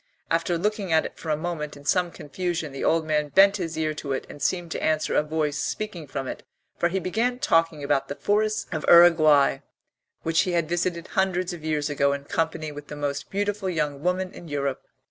After looking at it for a moment in some confusion the old man bent his ear to it and seemed to answer a voice speaking from it, for he began talking about the forests of Uruguay which he had visited hundreds of years ago in company with the most beautiful young woman in Europe.